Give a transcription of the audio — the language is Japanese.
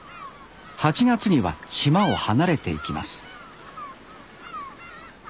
８月には島を離れていきます